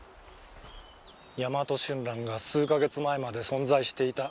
ヤマトシュンランが数か月前まで存在していた？